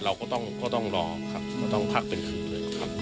เราก็ต้องรอครับก็ต้องพักเป็นคืนเลยครับ